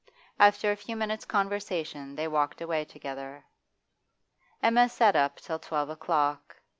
After a few minutes' conversation they walked away together. Emma sat up till twelve o'clock.